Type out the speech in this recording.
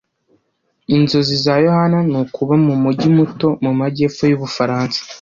Inzozi za yohani ni ukuba mu mujyi muto mu majyepfo y’Ubufaransa.